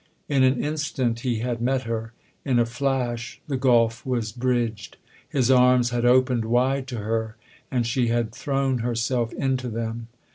" In an instant he had met her ; in a flash the gulf was bridged : his arms had opened wide to her and she had thrown herself into them.